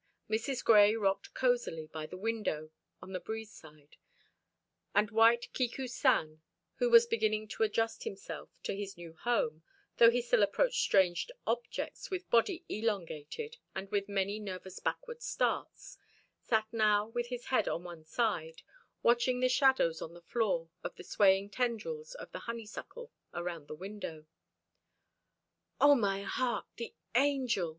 Mrs. Grey rocked cosily by the window on the breeze side, and white Kiku san, who was beginning to adjust himself to his new home, though he still approached strange objects with body elongated and with many nervous backward starts, sat now with his head on one side, watching the shadows on the floor of the swaying tendrils of the honeysuckle around the window. "Oh, my heart, the Angel!"